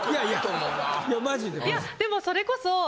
いやでもそれこそ。